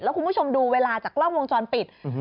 คุณผู้ชมดูเวลาจากกล้องวงจรปิด